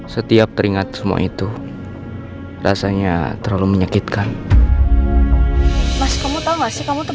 setiap teringat semua itu rasanya terlalu menyakitkan mas kamu tahu sih kamu tuh